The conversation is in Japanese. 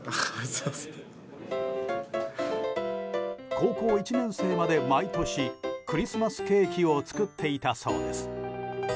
高校１年生まで、毎年クリスマスケーキを作っていたそうです。